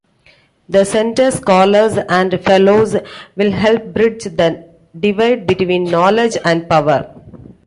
The Center's Scholars and Fellows will help bridge the divide between knowledge and power.